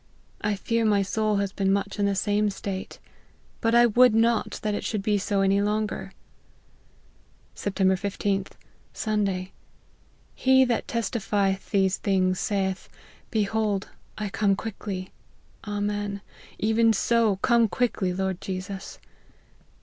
I fear my soul has been much in the same state : but I would not that it should be so any longer." "Sept. 15^. Sunday. 'He that testifieth these things, saith, behold I come quickly Amen even so come quickly, Lord Jesus